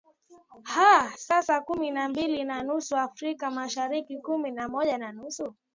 aa saa kumi na mbili na nusu afrika mashariki kumi na moja na nusu